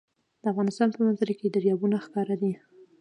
د افغانستان په منظره کې دریابونه ښکاره ده.